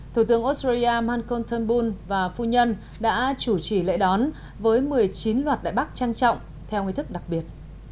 thủ tướng australia malcolm turnbull và phu nhân đã chủ trì lễ đón với một mươi chín loạt đại bắc trang trọng theo ngôi thức đặc biệt